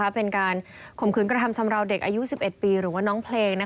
เป็นการข่มขืนกระทำชำราวเด็กอายุ๑๑ปีหรือว่าน้องเพลง